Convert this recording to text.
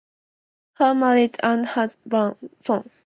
Hou is married and has one son.